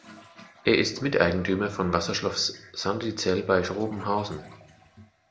Er ist Miteigentümer von Wasserschloss Sandizell bei Schrobenhausen.